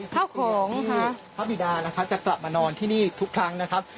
ข้าวของนะคะพระบิดานะคะจะกลับมานอนที่นี่ทุกครั้งนะครับ